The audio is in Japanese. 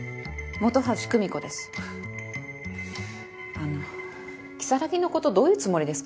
あの如月のことどういうつもりですか？